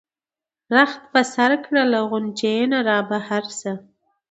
رخت په سر کړه له غُنچې نه را بهر شه.